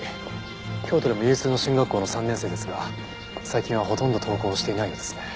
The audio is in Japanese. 京都でも有数の進学校の３年生ですが最近はほとんど登校していないようです。